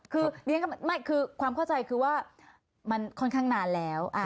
คือความเข้าใจคือว่ามันค่อนข้างนานแล้ว